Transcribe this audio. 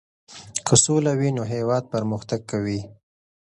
که سوله وي نو هېواد پرمختګ کوي.